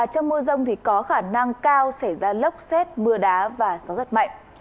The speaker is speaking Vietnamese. trong mưa rông có khả năng cao xảy ra lốc xét mưa đá và gió rất mạnh